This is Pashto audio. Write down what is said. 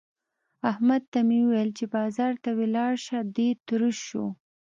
احمد ته مې وويل چې بازار ته ولاړ شه؛ دی تروش شو.